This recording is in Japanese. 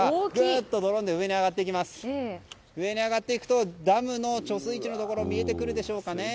ドローンで上に上がっていくとダムの貯水池のところ見えてくるでしょうかね。